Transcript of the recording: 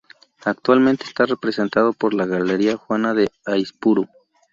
Actualmente está representado por la galería Juana de Aizpuru.